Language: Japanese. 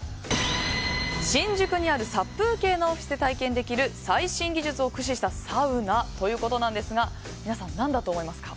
新宿にある殺風景なオフィスで体験できる最新技術を駆使したサウナということなんですが皆さん、何だと思いますか？